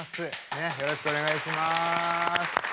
ねっよろしくお願いします。